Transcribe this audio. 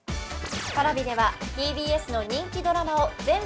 ＰａｒａｖｉではＴＢＳの人気ドラマを全話